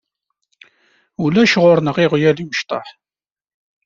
Ulac ɣur-neɣ iɣyal imecṭaḥ.